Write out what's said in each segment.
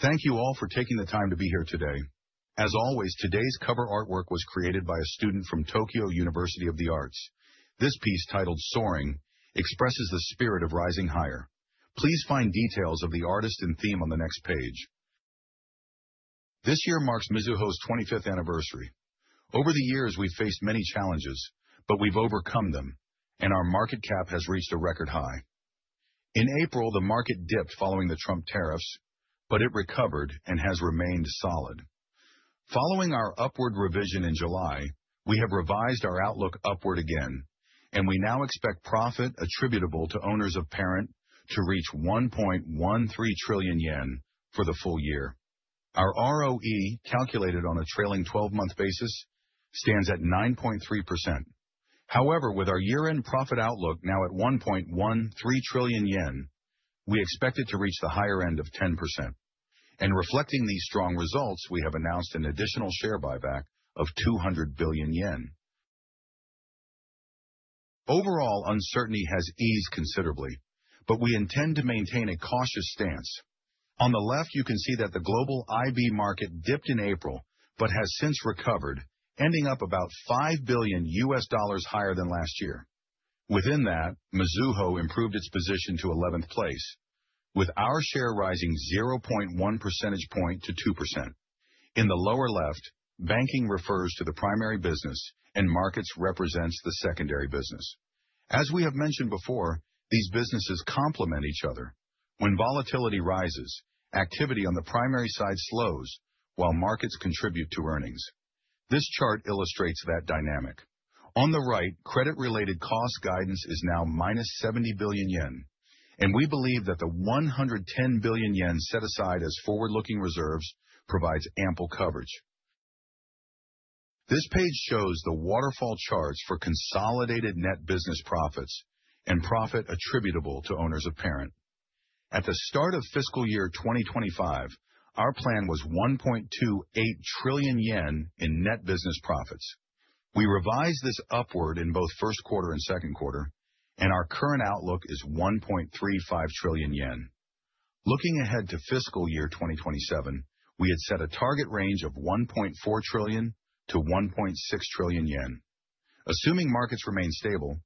Thank you all for taking the time to be here today. As always, today's cover artwork was created by a student from Tokyo University of the Arts. This piece, titled "Soaring," expresses the spirit of rising higher. Please find details of the artist and theme on the next page. This year marks Mizuho's 25th anniversary. Over the years, we've faced many challenges, but we've overcome them, and our market cap has reached a record high. In April, the market dipped following the Trump tariffs, but it recovered and has remained solid. Following our upward revision in July, we have revised our outlook upward again, and we now expect profit attributable to owners of parent to reach 1.13 trillion yen for the full year. Our ROE, calculated on a trailing 12-month basis, stands at 9.3%. With our year-end profit outlook now at 1.13 trillion yen, we expect it to reach the higher end of 10%. Reflecting these strong results, we have announced an additional share buyback of 200 billion yen. Overall, uncertainty has eased considerably, but we intend to maintain a cautious stance. On the left, you can see that the global IB market dipped in April but has since recovered, ending up about $5 billion US higher than last year. Within that, Mizuho improved its position to 11th place, with our share rising 0.1 percentage point to 2%. In the lower left, banking refers to the primary business, and markets represents the secondary business. As we have mentioned before, these businesses complement each other. When volatility rises, activity on the primary side slows while markets contribute to earnings. This chart illustrates that dynamic. On the right, credit-related cost guidance is now minus 70 billion yen, and we believe that the 110 billion yen set aside as forward-looking reserves provides ample coverage. This page shows the waterfall charts for consolidated net business profits and profit attributable to owners of parent. At the start of FY 2025, our plan was 1.28 trillion yen in net business profits. We revised this upward in both Q1 and Q2, and our current outlook is 1.35 trillion yen. Looking ahead to FY 2027, we had set a target range of 1.4 trillion-1.6 trillion yen. Assuming markets remain stable,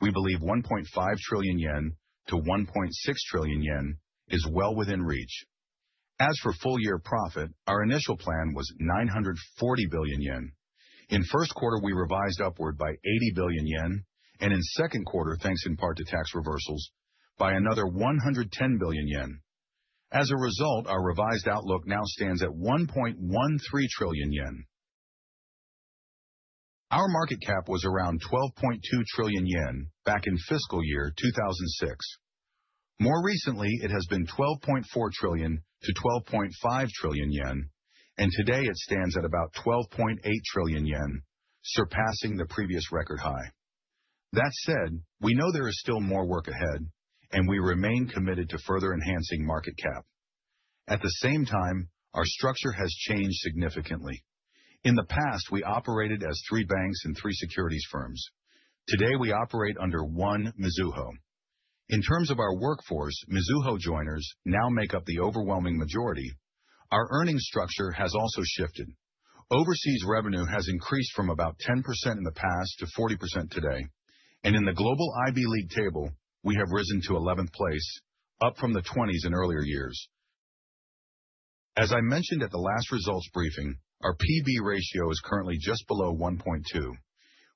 we believe 1.5 trillion-1.6 trillion yen is well within reach. As for full-year profit, our initial plan was 940 billion yen. In Q1, we revised upward by 80 billion yen, and in Q2, thanks in part to tax reversals, by another 110 billion yen. As a result, our revised outlook now stands at 1.13 trillion yen. Our market cap was around 12.2 trillion yen back in FY 2006. More recently, it has been 12.4 trillion-12.5 trillion yen, and today it stands at about 12.8 trillion yen, surpassing the previous record high. That said, we know there is still more work ahead, and we remain committed to further enhancing market cap. At the same time, our structure has changed significantly. In the past, we operated as three banks and three securities firms. Today, we operate under one Mizuho. In terms of our workforce, Mizuho joiners now make up the overwhelming majority. Our earnings structure has also shifted. Overseas revenue has increased from about 10% in the past to 40% today. In the global IB League table, we have risen to 11th place, up from the 20s in earlier years. As I mentioned at the last results briefing, our P/B ratio is currently just below 1.2.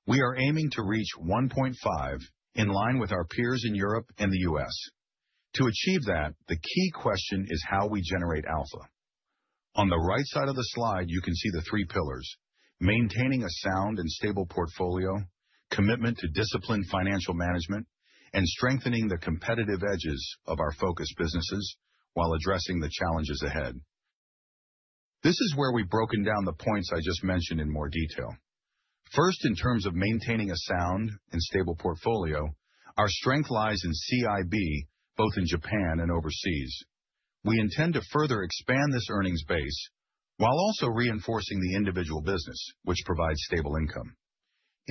We are aiming to reach 1.5, in line with our peers in Europe and the U.S. To achieve that, the key question is how we generate alpha. On the right side of the slide, you can see the three pillars: maintaining a sound and stable portfolio, commitment to disciplined financial management, and strengthening the competitive edges of our focus businesses while addressing the challenges ahead. This is where we've broken down the points I just mentioned in more detail. First, in terms of maintaining a sound and stable portfolio, our strength lies in CIB, both in Japan and overseas. We intend to further expand this earnings base while also reinforcing the individual business, which provides stable income.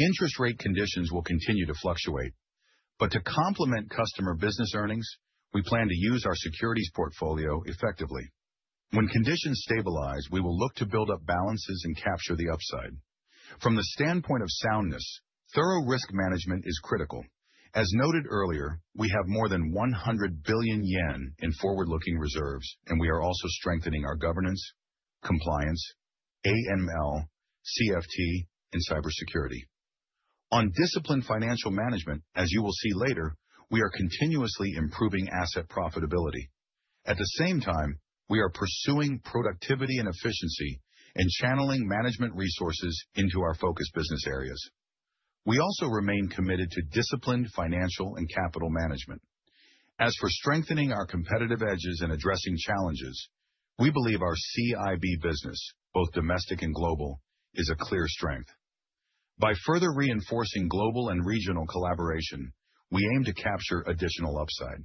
Interest rate conditions will continue to fluctuate, but to complement customer business earnings, we plan to use our securities portfolio effectively. When conditions stabilize, we will look to build up balances and capture the upside. From the standpoint of soundness, thorough risk management is critical. As noted earlier, we have more than ¥100 billion in forward-looking reserves, and we are also strengthening our governance, compliance, AML, CFT, and cybersecurity. On disciplined financial management, as you will see later, we are continuously improving asset profitability. At the same time, we are pursuing productivity and efficiency and channeling management resources into our focus business areas. We also remain committed to disciplined financial and capital management. As for strengthening our competitive edges and addressing challenges, we believe our CIB business, both domestic and global, is a clear strength. By further reinforcing global and regional collaboration, we aim to capture additional upside.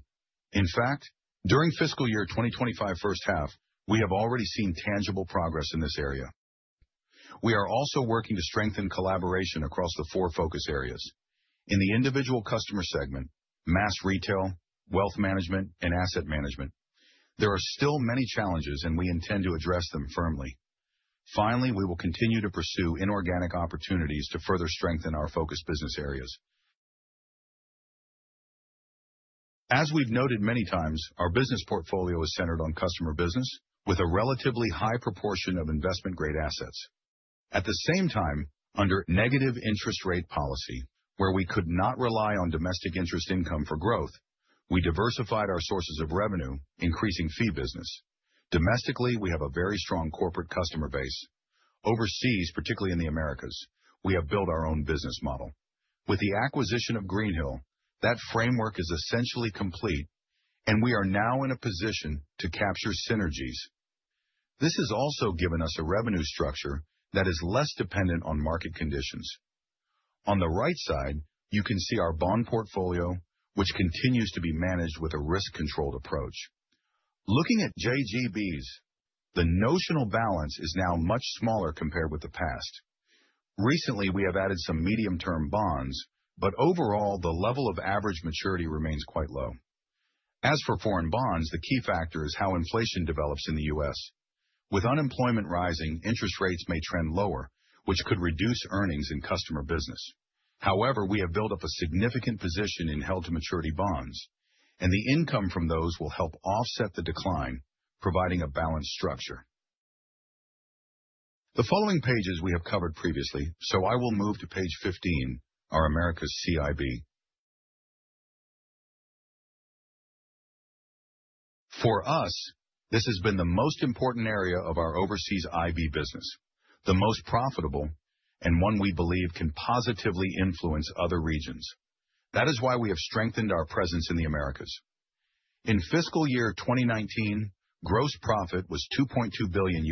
In fact, during fiscal year 2025 first half, we have already seen tangible progress in this area. We are also working to strengthen collaboration across the four focus areas. In the individual customer segment, mass retail, wealth management, and asset management, there are still many challenges, and we intend to address them firmly. Finally, we will continue to pursue inorganic opportunities to further strengthen our focus business areas. As we've noted many times, our business portfolio is centered on customer business with a relatively high proportion of investment-grade assets. At the same time, under negative interest rate policy, where we could not rely on domestic interest income for growth, we diversified our sources of revenue, increasing fee business. Domestically, we have a very strong corporate customer base. Overseas, particularly in the Americas, we have built our own business model. With the acquisition of Greenhill, that framework is essentially complete, and we are now in a position to capture synergies. This has also given us a revenue structure that is less dependent on market conditions. On the right side, you can see our bond portfolio, which continues to be managed with a risk-controlled approach. Looking at JGBs, the notional balance is now much smaller compared with the past. Recently, we have added some medium-term bonds, but overall, the level of average maturity remains quite low. As for foreign bonds, the key factor is how inflation develops in the U.S. With unemployment rising, interest rates may trend lower, which could reduce earnings in customer business. However, we have built up a significant position in held-to-maturity bonds, and the income from those will help offset the decline, providing a balanced structure. The following pages we have covered previously, I will move to page 15, our Americas CIB. For us, this has been the most important area of our overseas IB business, the most profitable, and one we believe can positively influence other regions. That is why we have strengthened our presence in the Americas. In fiscal year 2019, gross profit was $2.2 billion.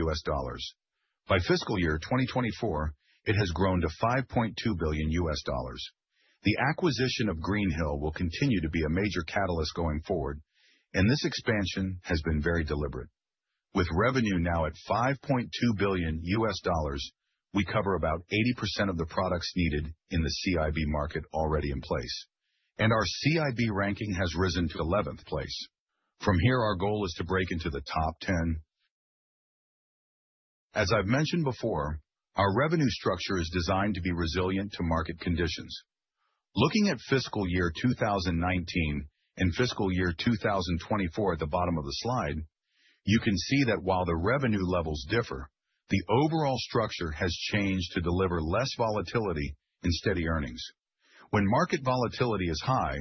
By fiscal year 2024, it has grown to $5.2 billion. The acquisition of Greenhill will continue to be a major catalyst going forward, and this expansion has been very deliberate. With revenue now at $5.2 billion, we cover about 80% of the products needed in the CIB market already in place, and our CIB ranking has risen to 11th place. From here, our goal is to break into the top 10. As I've mentioned before, our revenue structure is designed to be resilient to market conditions. Looking at fiscal year 2019 and fiscal year 2024 at the bottom of the slide, you can see that while the revenue levels differ, the overall structure has changed to deliver less volatility and steady earnings. When market volatility is high,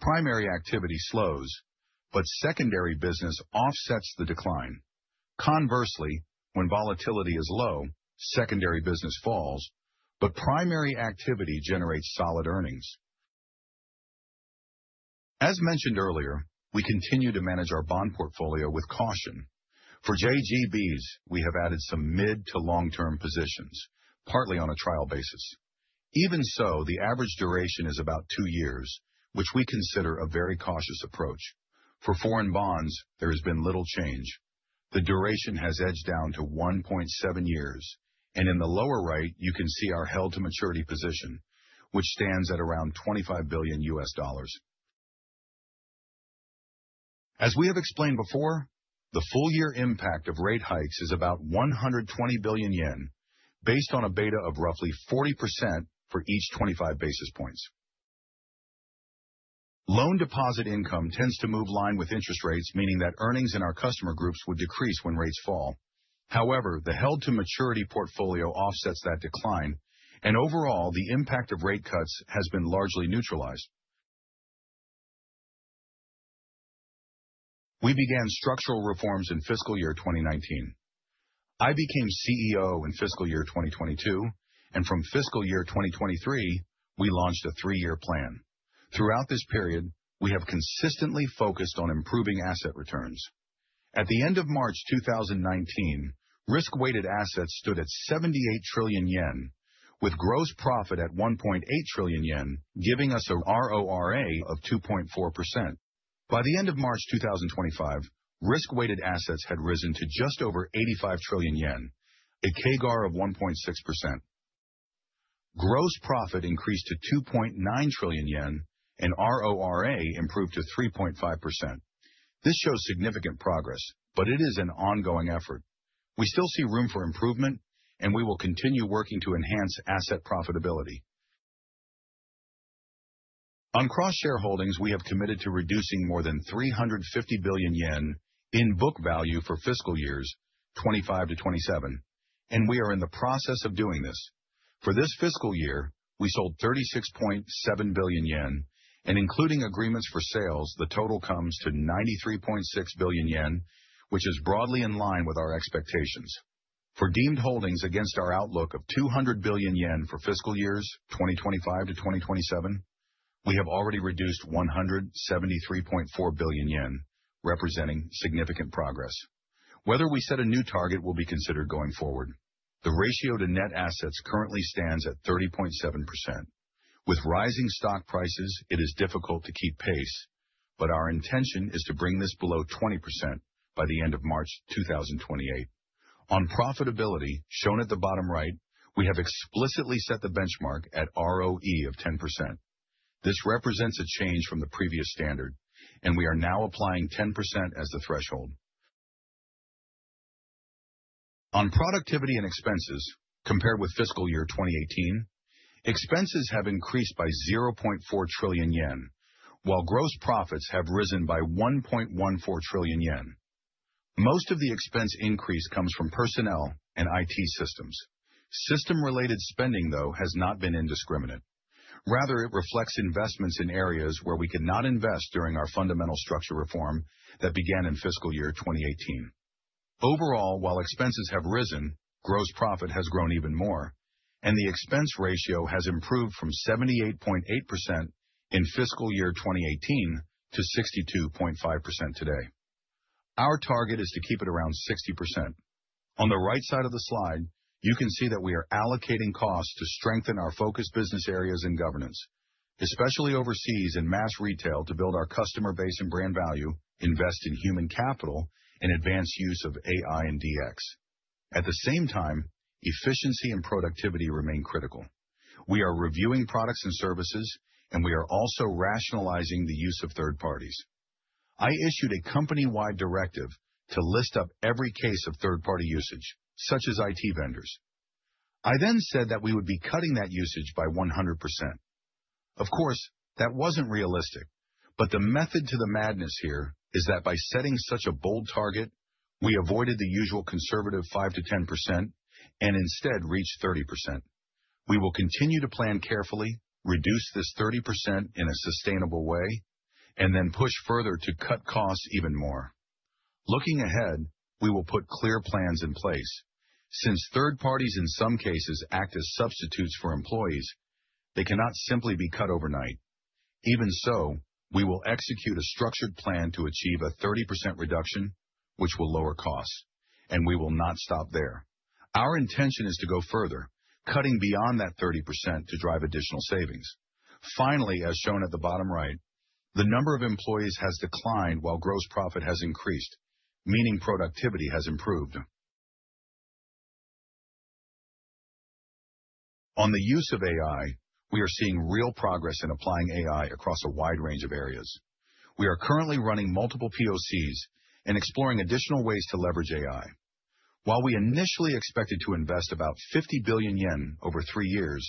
primary activity slows, but secondary business offsets the decline. Conversely, when volatility is low, secondary business falls, but primary activity generates solid earnings. As mentioned earlier, we continue to manage our bond portfolio with caution. For JGBs, we have added some mid- to long-term positions, partly on a trial basis. Even so, the average duration is about two years, which we consider a very cautious approach. For foreign bonds, there has been little change. The duration has edged down to 1.7 years, and in the lower right, you can see our held-to-maturity position, which stands at around $25 billion. As we have explained before, the full-year impact of rate hikes is about 120 billion yen, based on a beta of roughly 40% for each 25 basis points. Loan deposit income tends to move line with interest rates, meaning that earnings in our customer groups would decrease when rates fall. However, the held-to-maturity portfolio offsets that decline, and overall, the impact of rate cuts has been largely neutralized. We began structural reforms in fiscal year 2019. I became CEO in fiscal year 2022, and from fiscal year 2023, we launched a three-year plan. Throughout this period, we have consistently focused on improving asset returns. At the end of March 2019, risk-weighted assets stood at 78 trillion yen, with gross profit at 1.8 trillion yen, giving us a RORA of 2.4%. By the end of March 2025, risk-weighted assets had risen to just over 85 trillion yen, a CAGR of 1.6%. Gross profit increased to 2.9 trillion yen, and RORA improved to 3.5%. This shows significant progress, but it is an ongoing effort. We still see room for improvement, and we will continue working to enhance asset profitability. On cross-share holdings, we have committed to reducing more than 350 billion yen in book value for fiscal years 2025 to 2027, and we are in the process of doing this. For this fiscal year, we sold 36.7 billion yen, and including agreements for sales, the total comes to 93.6 billion yen, which is broadly in line with our expectations. For deemed holdings against our outlook of 200 billion yen for fiscal years 2025-2027, we have already reduced 173.4 billion yen, representing significant progress. Whether we set a new target will be considered going forward. The ratio to net assets currently stands at 30.7%. With rising stock prices, it is difficult to keep pace. Our intention is to bring this below 20% by the end of March 2028. On profitability, shown at the bottom right, we have explicitly set the benchmark at ROE of 10%. This represents a change from the previous standard, and we are now applying 10% as the threshold. On productivity and expenses, compared with fiscal year 2018, expenses have increased by 0.4 trillion yen, while gross profits have risen by 1.14 trillion yen. Most of the expense increase comes from personnel and IT systems. System-related spending, though, has not been indiscriminate. Rather, it reflects investments in areas where we could not invest during our fundamental structure reform that began in fiscal year 2018. Overall, while expenses have risen, gross profit has grown even more. The expense ratio has improved from 78.8% in fiscal year 2018 to 62.5% today. Our target is to keep it around 60%. On the right side of the slide, you can see that we are allocating costs to strengthen our focus business areas and governance, especially overseas in mass retail to build our customer base and brand value, invest in human capital. Advance use of AI and DX. At the same time, efficiency and productivity remain critical. We are reviewing products and services. We are also rationalizing the use of third parties. I issued a company-wide directive to list up every case of third-party usage, such as IT vendors. I said that we would be cutting that usage by 100%. Of course, that wasn't realistic. The method to the madness here is that by setting such a bold target, we avoided the usual conservative 5%-10%. Instead reached 30%. We will continue to plan carefully, reduce this 30% in a sustainable way. Push further to cut costs even more. Looking ahead, we will put clear plans in place. Since third parties, in some cases, act as substitutes for employees, they cannot simply be cut overnight. We will execute a structured plan to achieve a 30% reduction, which will lower costs. We will not stop there. Our intention is to go further, cutting beyond that 30% to drive additional savings. Finally, as shown at the bottom right, the number of employees has declined while gross profit has increased, meaning productivity has improved. On the use of AI, we are seeing real progress in applying AI across a wide range of areas. We are currently running multiple POCs and exploring additional ways to leverage AI. While we initially expected to invest about 50 billion yen over three years,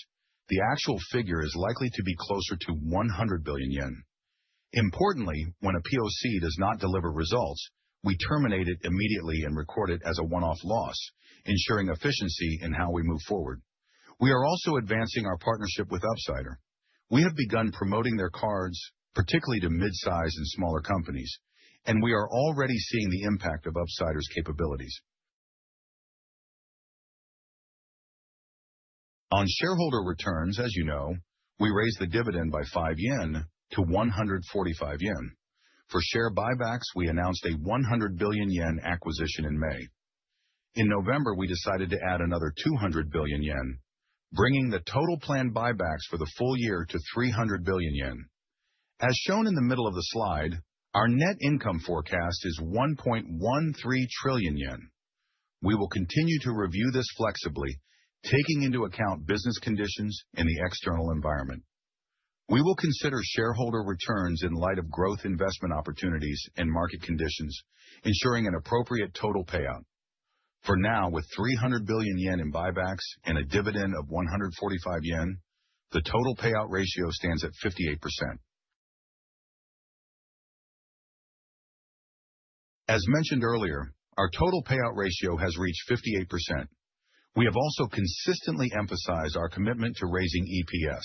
the actual figure is likely to be closer to 100 billion yen. Importantly, when a POC does not deliver results, we terminate it immediately and record it as a one-off loss, ensuring efficiency in how we move forward. We are also advancing our partnership with Upsider. We have begun promoting their cards, particularly to mid-size and smaller companies. We are already seeing the impact of Upsider's capabilities. On shareholder returns, as you know, we raised the dividend by 5-145 yen. For share buybacks, we announced a 100 billion yen acquisition in May. In November, we decided to add another 200 billion yen, bringing the total planned buybacks for the full year to 300 billion yen. As shown in the middle of the slide, our net income forecast is 1.13 trillion yen. We will continue to review this flexibly, taking into account business conditions in the external environment. We will consider shareholder returns in light of growth investment opportunities and market conditions, ensuring an appropriate total payout. For now, with 300 billion yen in buybacks and a dividend of 145 yen, the total payout ratio stands at 58%. As mentioned earlier, our total payout ratio has reached 58%. We have also consistently emphasized our commitment to raising EPS.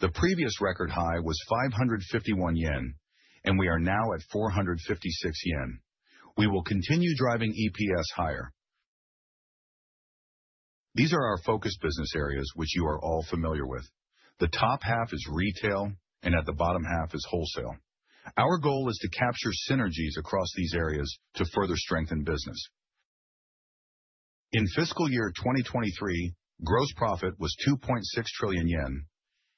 The previous record high was 551 yen, and we are now at 456 yen. We will continue driving EPS higher. These are our focus business areas, which you are all familiar with. The top half is retail and at the bottom half is wholesale. Our goal is to capture synergies across these areas to further strengthen business. In FY 2023, gross profit was 2.6 trillion yen,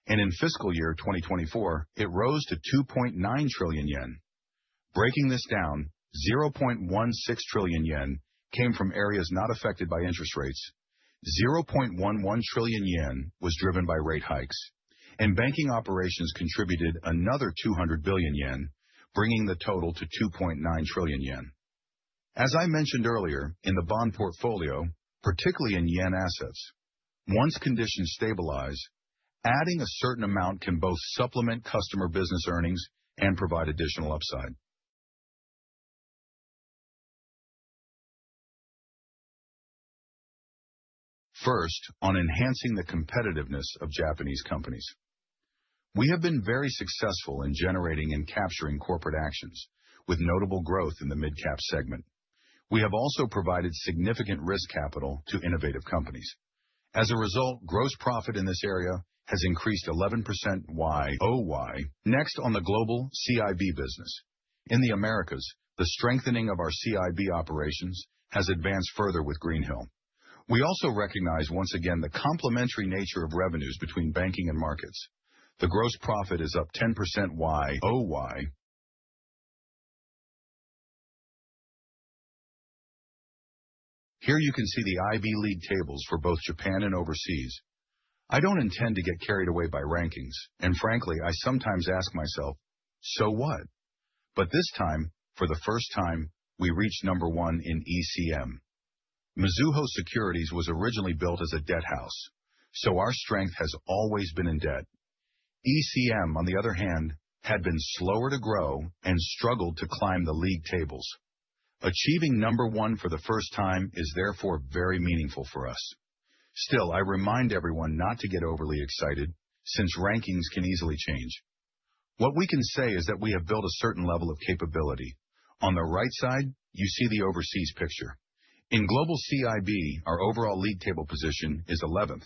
and in FY 2024, it rose to 2.9 trillion yen. Breaking this down, 0.16 trillion yen came from areas not affected by interest rates, 0.11 trillion yen was driven by rate hikes, and banking operations contributed another 200 billion yen, bringing the total to 2.9 trillion yen. As I mentioned earlier, in the bond portfolio, particularly in JPY assets, once conditions stabilize, adding a certain amount can both supplement customer business earnings and provide additional upside. First, on enhancing the competitiveness of Japanese companies. We have been very successful in generating and capturing corporate actions with notable growth in the mid-cap segment. We have also provided significant risk capital to innovative companies. As a result, gross profit in this area has increased 11% year-over-year. Next, on the global CIB business. In the Americas, the strengthening of our CIB operations has advanced further with Greenhill. We also recognize once again the complementary nature of revenues between banking and markets. The gross profit is up 10% year-over-year. Here you can see the IB league tables for both Japan and overseas. I don't intend to get carried away by rankings, and frankly, I sometimes ask myself, "So what?" This time, for the first time, we reached number one in ECM. Mizuho Securities was originally built as a debt house, so our strength has always been in debt. ECM, on the other hand, had been slower to grow and struggled to climb the league tables. Achieving number one for the first time is therefore very meaningful for us. I remind everyone not to get overly excited, since rankings can easily change. What we can say is that we have built a certain level of capability. On the right side, you see the overseas picture. In global CIB, our overall league table position is 11th.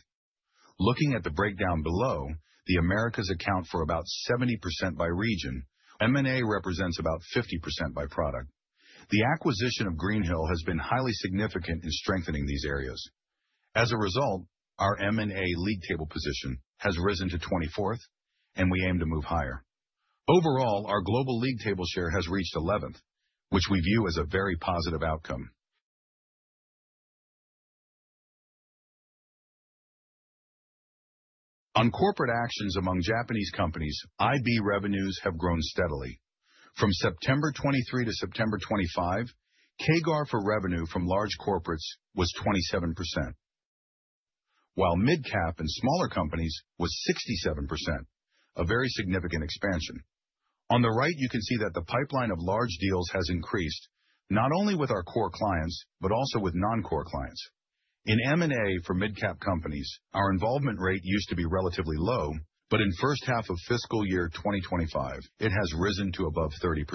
Looking at the breakdown below, the Americas account for about 70% by region. M&A represents about 50% by product. The acquisition of Greenhill has been highly significant in strengthening these areas. As a result, our M&A league table position has risen to 24th, and we aim to move higher. Overall, our global league table share has reached 11th, which we view as a very positive outcome. On corporate actions among Japanese companies, IB revenues have grown steadily. From September 23 to September 25, CAGR for revenue from large corporates was 27%, while mid-cap and smaller companies was 67%, a very significant expansion. On the right, you can see that the pipeline of large deals has increased, not only with our core clients, but also with non-core clients. In M&A for mid-cap companies, our involvement rate used to be relatively low, but in first half of FY 2025, it has risen to above 30%.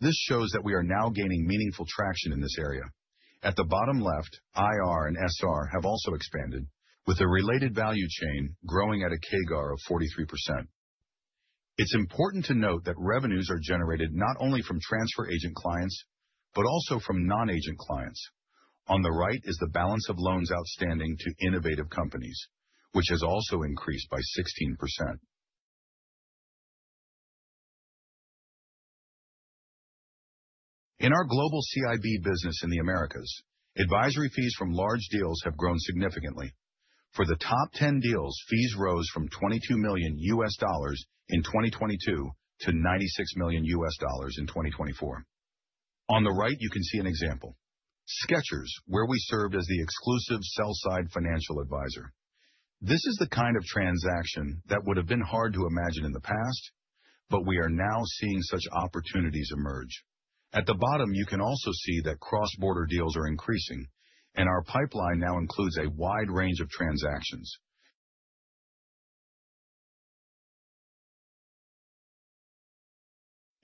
This shows that we are now gaining meaningful traction in this area. At the bottom left, IR and SR have also expanded, with the related value chain growing at a CAGR of 43%. It's important to note that revenues are generated not only from transfer agent clients, but also from non-agent clients. On the right is the balance of loans outstanding to innovative companies, which has also increased by 16%. In our global CIB business in the Americas, advisory fees from large deals have grown significantly. For the top 10 deals, fees rose from $22 million in 2022 to $96 million in 2024. On the right, you can see an example. Skechers, where we served as the exclusive sell-side financial advisor. This is the kind of transaction that would have been hard to imagine in the past, but we are now seeing such opportunities emerge. At the bottom, you can also see that cross-border deals are increasing, and our pipeline now includes a wide range of transactions.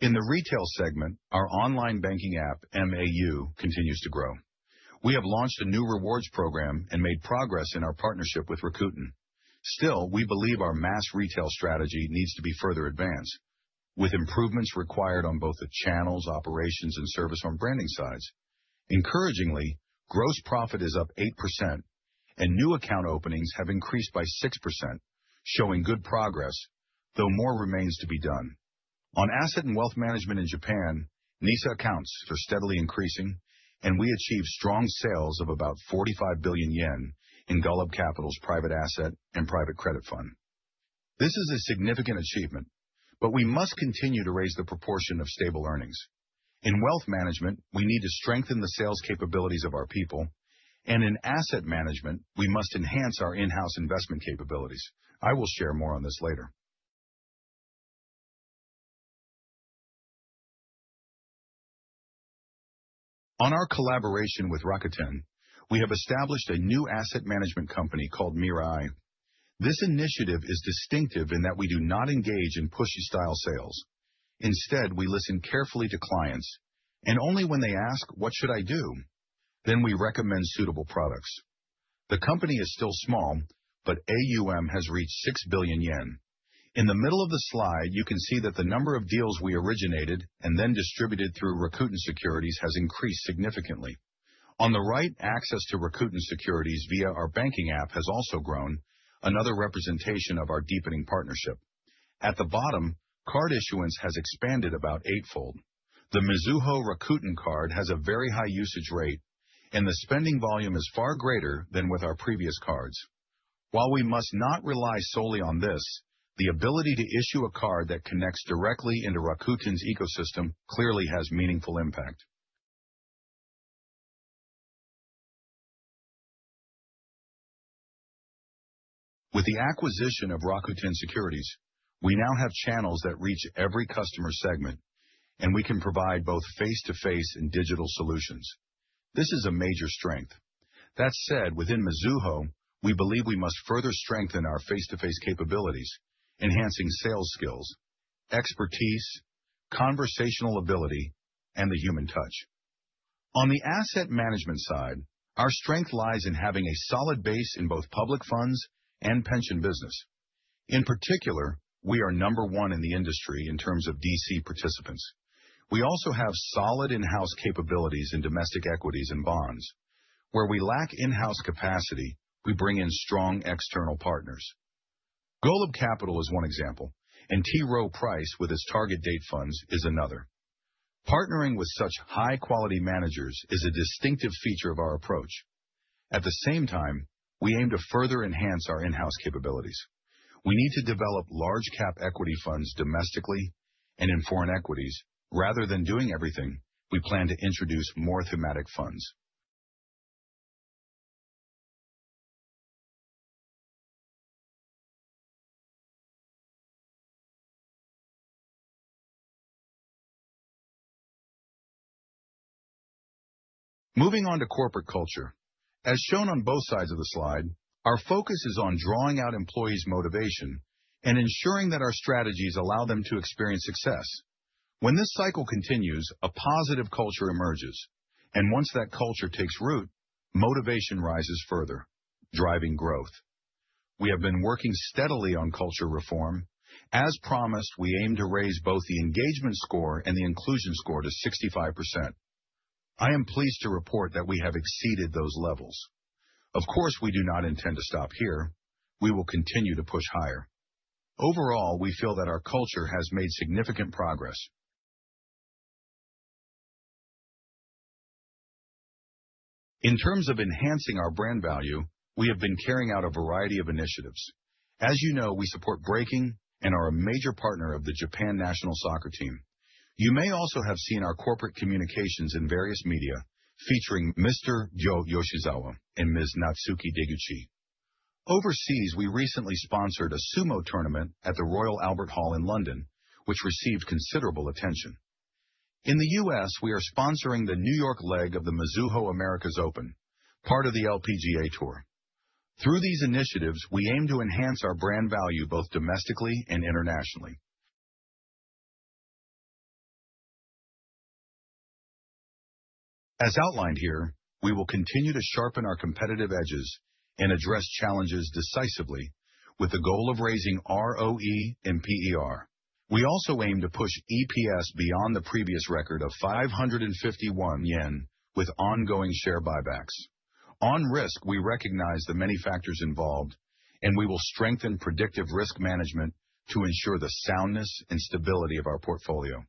In the retail segment, our online banking app, MAU, continues to grow. We have launched a new rewards program and made progress in our partnership with Rakuten. We believe our mass retail strategy needs to be further advanced, with improvements required on both the channels, operations, and service on branding sides. Encouragingly, gross profit is up 8%, and new account openings have increased by 6%, showing good progress, though more remains to be done. On asset and wealth management in Japan, NISA accounts are steadily increasing, and we achieved strong sales of about 45 billion yen in Golub Capital's private asset and private credit fund. This is a significant achievement, but we must continue to raise the proportion of stable earnings. In wealth management, we need to strengthen the sales capabilities of our people, and in asset management, we must enhance our in-house investment capabilities. I will share more on this later. On our collaboration with Rakuten, we have established a new asset management company called Mirai. This initiative is distinctive in that we do not engage in pushy-style sales. Instead, we listen carefully to clients, and only when they ask, "What should I do?" then we recommend suitable products. The company is still small, but AUM has reached 6 billion yen. In the middle of the slide, you can see that the number of deals we originated and then distributed through Rakuten Securities has increased significantly. On the right, access to Rakuten Securities via our banking app has also grown, another representation of our deepening partnership. At the bottom, card issuance has expanded about eightfold. The Mizuho Rakuten Card has a very high usage rate, and the spending volume is far greater than with our previous cards. While we must not rely solely on this, the ability to issue a card that connects directly into Rakuten's ecosystem clearly has meaningful impact. With the acquisition of Rakuten Securities, we now have channels that reach every customer segment, and we can provide both face-to-face and digital solutions. This is a major strength. That said, within Mizuho, we believe we must further strengthen our face-to-face capabilities, enhancing sales skills, expertise, conversational ability, and the human touch. On the asset management side, our strength lies in having a solid base in both public funds and pension business. In particular, we are number one in the industry in terms of DC participants. We also have solid in-house capabilities in domestic equities and bonds. Where we lack in-house capacity, we bring in strong external partners. Golub Capital is one example, and T. Rowe Price, with its target date funds, is another. Partnering with such high-quality managers is a distinctive feature of our approach. At the same time, we aim to further enhance our in-house capabilities. We need to develop large cap equity funds domestically and in foreign equities. Rather than doing everything, we plan to introduce more thematic funds. Moving on to corporate culture. As shown on both sides of the slide, our focus is on drawing out employees' motivation and ensuring that our strategies allow them to experience success. When this cycle continues, a positive culture emerges, and once that culture takes root, motivation rises further, driving growth. We have been working steadily on culture reform. As promised, we aim to raise both the engagement score and the inclusion score to 65%. I am pleased to report that we have exceeded those levels. Of course, we do not intend to stop here. We will continue to push higher. Overall, we feel that our culture has made significant progress. In terms of enhancing our brand value, we have been carrying out a variety of initiatives. As you know, we support Breaking and are a major partner of the Japan National Soccer Team. You may also have seen our corporate communications in various media featuring Mr. Ryo Yoshizawa and Ms. Natsuki Deguchi. Overseas, we recently sponsored a sumo tournament at the Royal Albert Hall in London, which received considerable attention. In the U.S., we are sponsoring the New York leg of the Mizuho Americas Open, part of the LPGA Tour. Through these initiatives, we aim to enhance our brand value both domestically and internationally. As outlined here, we will continue to sharpen our competitive edges and address challenges decisively with the goal of raising ROE and PER. We also aim to push EPS beyond the previous record of 551 yen with ongoing share buybacks. On risk, we recognize the many factors involved, and we will strengthen predictive risk management to ensure the soundness and stability of our portfolio.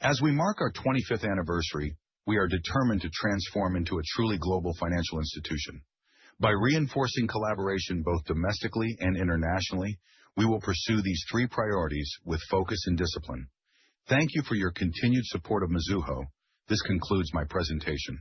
As we mark our 25th anniversary, we are determined to transform into a truly global financial institution. By reinforcing collaboration both domestically and internationally, we will pursue these three priorities with focus and discipline. Thank you for your continued support of Mizuho. This concludes my presentation.